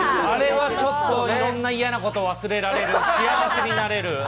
あれはちょっと、いろんな嫌なこと忘れられる、幸せになれる。